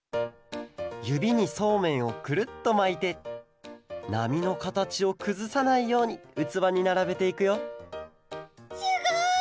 ゆびにそうめんをくるっとまいてなみのかたちをくずさないようにうつわにならべていくよすごい！